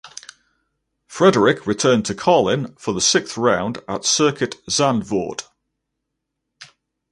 Frederick returned to Carlin for the sixth round at Circuit Zandvoort.